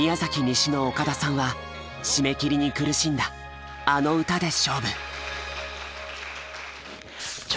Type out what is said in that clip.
西の岡田さんは締め切りに苦しんだあの歌で勝負。